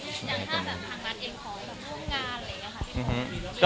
อยากถ้าแบบทางรัฐเอ็มคอมกับโรงงานอะไรแบบนี้นะครับ